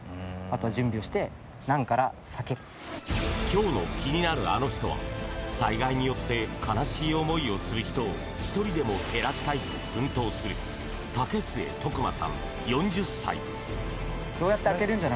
今日の気になるアノ人は災害によって悲しい思いをする人を１人でも減らしたいと奮闘する武居徳真さん、４０歳。